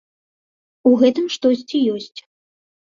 У гэтым штосьці ёсць.